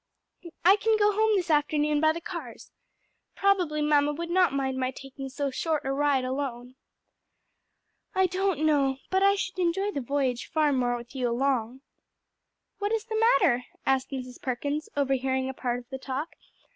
I can go home this afternoon by the cars. Probably mamma would not mind my taking so short a ride alone." "I don't know: but I should enjoy the voyage far more with you along." "What is the matter?" asked Mrs. Perkins, overhearing a part of the talk.